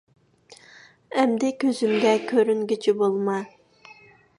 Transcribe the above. ئەمدى كۆزۈمگە كۆرۈنگۈچى بولما!